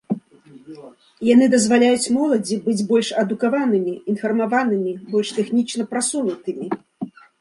Яны дазваляюць моладзі быць больш адукаванымі, інфармаванымі, больш тэхнічна прасунутымі.